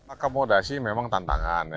akomodasi memang tantangan